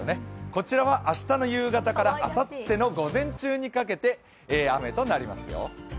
こちらは明日の夕方からあさっての午前中にかけて雨となりますよ。